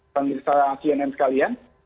pemirsa cnn sekalian